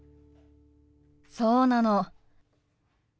そうなの。